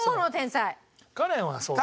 カレンはそうだね。